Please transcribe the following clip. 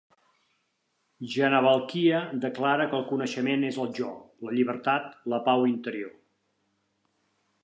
Yajnavalkya declara que el coneixement és el jo, la llibertat, la pau interior.